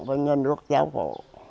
với nhà nước giáo phổ